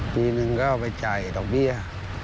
ปีหนึ่งก็เอาไปจ่ายดอกเบี้ย